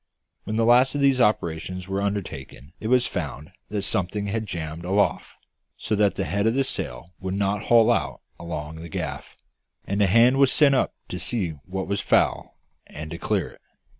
When the last of these operations were undertaken it was found that something had jammed aloft, so that the head of the sail would not haul out along the gaff; and a hand was sent up to see what was foul, and to clear it.